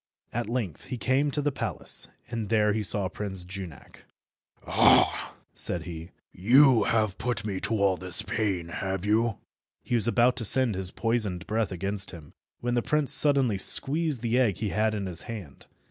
At length he came to the palace, and there he saw Prince Junak. "Ah!" said he, "you have put me to all this pain, have you?" He was about to send his poisoned breath against him, when the prince suddenly squeezed the egg he had in his hand.